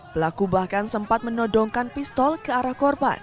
pelaku bahkan sempat menodongkan pistol ke arah korban